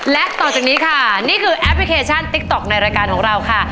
และต่อจากนี้ค่ะนี่คือแอปพลิเคชันติ๊กต๊อกในรายการของเราค่ะ